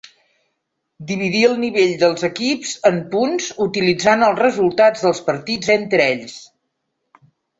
Dividir el nivell dels equips en punts utilitzant els resultats dels partits entre ells.